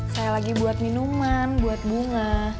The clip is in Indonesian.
saya lagi buat minuman buat bunga